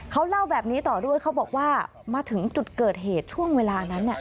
เขาเล่าแบบนี้ต่อด้วยเขาบอกว่ามาถึงจุดเกิดเหตุช่วงเวลานั้น